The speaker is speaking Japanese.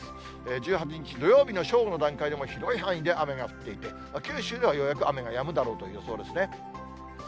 １８日土曜日の正午の段階でも広い範囲で雨が降っていて、九州ではようやく雨がやむだろうという予想ですね。